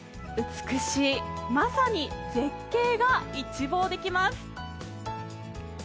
美しい、まさに絶景が一望できます